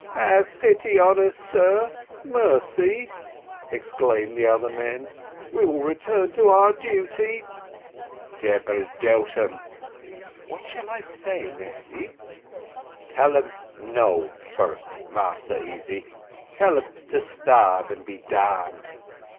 "Have pity on us, sir mercy!" exclaimed the other men, "we will return to our duty." "Debbil doubt 'em!" "What shall I say, Mesty?" "Tell 'em no, first, Massa Easy tell 'em to starve and be damned."